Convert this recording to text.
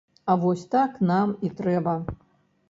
А вось так нам і трэба.